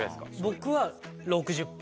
僕は６０分。